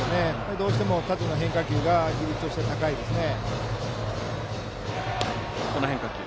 どうしても縦の変化球が比率として高いですね。